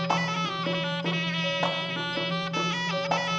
ธรรมดา